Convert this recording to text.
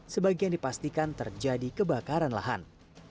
sebagian dipastikan terjadi kebakaran lahan